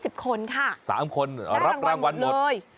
สามคนรับรางวัลหมดเลยได้รางวัลหมดเลย